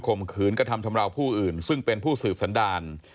มขืนกระทำชำราวผู้อื่นซึ่งเป็นผู้สืบสันดาล